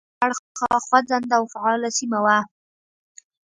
دوی د ټکنالوژۍ له اړخه خوځنده او فعاله سیمه وه.